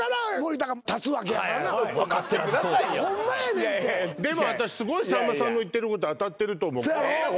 ねんてでも私すごいさんまさんの言ってること当たってると思うそやろ？